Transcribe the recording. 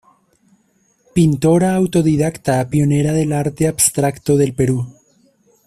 Pintora autodidacta pionera del arte abstracto del Perú.